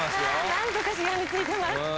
何とかしがみついてます。